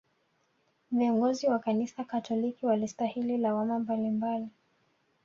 Viongozi wa kanisa katoliki walistahili lawama mbalimbali